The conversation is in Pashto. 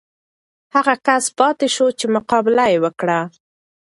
هغه کس پاتې شو چې مقابله یې وکړه.